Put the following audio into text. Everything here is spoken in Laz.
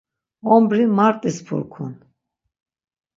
Ombri Mart̆is purkun.